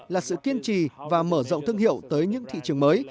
là sự kiên trì và mở rộng thương hiệu tới những thị trường mới